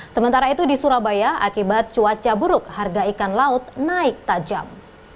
sementara itu di surabaya akibat cuaca buruk harga ikan laut naik tajam